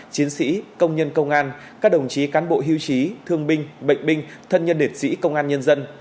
chiến sĩ công nhân công an các đồng chí cán bộ hưu trí thương binh bệnh binh thân nhân liệt sĩ công an nhân dân